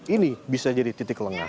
ini bisa jadi titik lengah